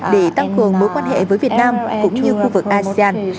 để tăng cường mối quan hệ với việt nam cũng như khu vực asean